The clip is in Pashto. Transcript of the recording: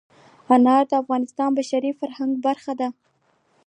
انار د افغانستان د بشري فرهنګ برخه ده.